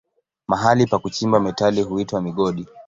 Mahali pa kuchimba metali huitwa migodi.